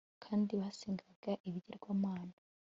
kandi basengaga ibigirwamana